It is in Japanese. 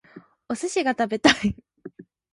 お寿司が食べたい